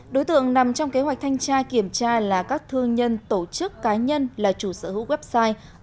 đối tượng nằm trong kế hoạch thanh tra kiểm tra là các thương nhân tổ chức cá nhân là chủ sở hữu website